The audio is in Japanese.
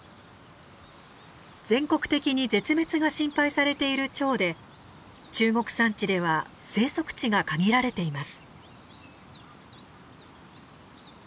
全国的に絶滅が心配されているチョウで中国山地では生息地が限られています。